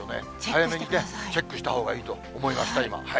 早めにチェックしたほうがいいと思いました、今。